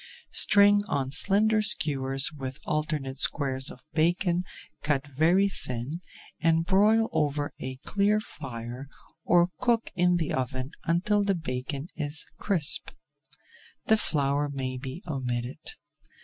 String on slender skewers with alternate squares of bacon cut very thin and broil over a clear fire or cook in the oven until the bacon is crisp. The flour may be omitted.